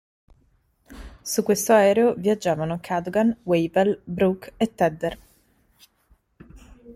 Su questo aereo viaggiavano Cadogan, Wavell, Brooke e Tedder.